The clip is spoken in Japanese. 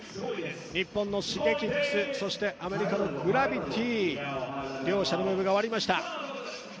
日本のＳｈｉｇｅｋｉｘそしてアメリカのＧｒａｖｉｔｙ両者のムーブが終わりました。